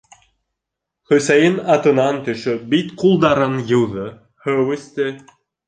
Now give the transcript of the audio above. Хөсәйен, атынан төшөп, бит-ҡулдарын йыуҙы, һыу эсте.